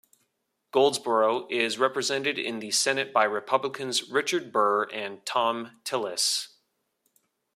Goldsboro is represented in the Senate by Republicans Richard Burr and Thom Tillis.